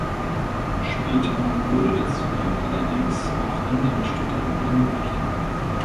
Später wurde der Zugang allerdings auch anderen Studenten ermöglicht.